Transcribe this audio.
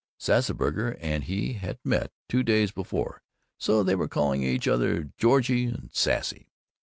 Sassburger and he had met two days before, so they were calling each other "Georgie" and "Sassy."